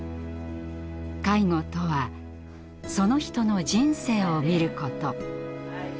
介護とはその人の人生を看ること。